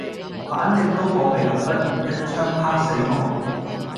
反正都冇未來不如一鎗啪死我